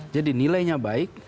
jadi nilainya baik